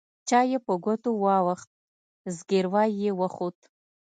چای يې په ګوتو واوښت زګيروی يې وخوت.